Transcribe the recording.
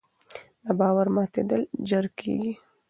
د باور ماتېدل ژر کېږي